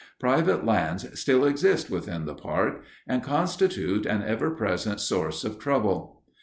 Private lands still exist within the park and constitute an ever present source of trouble.